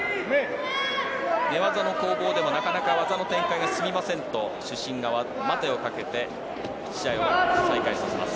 寝技の攻防ではなかなか技の展開が進みませんと主審が待てをかけて試合を再開させます。